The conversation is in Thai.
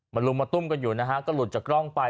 ลุมมาตุ้มกันอยู่นะฮะก็หลุดจากกล้องไป